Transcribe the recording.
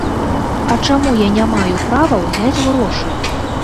А чаму я не маю права ўзяць грошы?